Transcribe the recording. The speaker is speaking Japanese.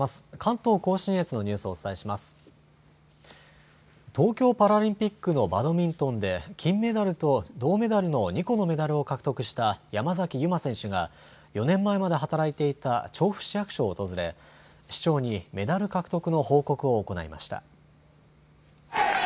東京パラリンピックのバドミントンで金メダルと銅メダルの２個のメダルを獲得した山崎悠麻選手が、４年前まで働いていた調布市役所を訪れ、市長にメダル獲得の報告を行いました。